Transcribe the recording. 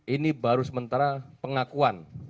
ini baru sementara pengakuan